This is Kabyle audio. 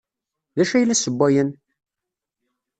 D acu ay la ssewwayen?